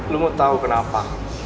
lo mau tau kenapa